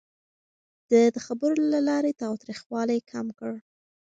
ده د خبرو له لارې تاوتريخوالی کم کړ.